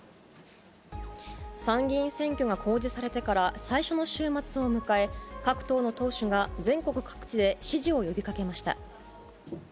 参議院選挙が公示されてから最初の週末を迎え、各党の党首が全国各地で支持を呼びかけました。